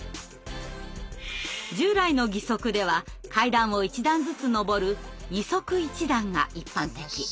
従来の義足では階段を１段ずつ上る「二足一段」が一般的。